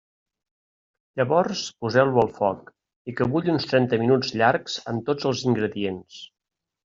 Llavors poseu-lo al foc i que bulli uns trenta minuts llargs amb tots els ingredients.